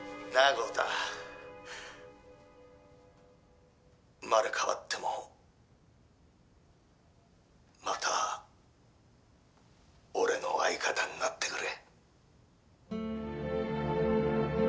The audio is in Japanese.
「生まれ変わってもまた俺の相方になってくれ」